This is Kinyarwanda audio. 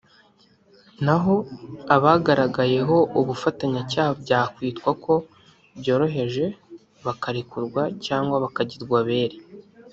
naho abagaragayeho ubufatanyacyaha byakwitwa ko byoroheje bakarekurwa cyangwa bakagirwa abere